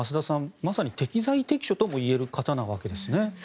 まさに適材適所な方とも言えるわけですね。